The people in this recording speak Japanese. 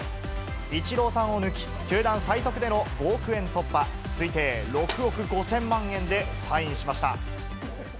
イチローさんを抜き、球団最速での５億円突破、推定６億５０００万円でサインしました。